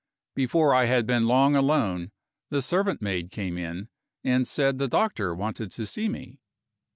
Before I had been long alone the servant maid came in, and said the doctor wanted to see me.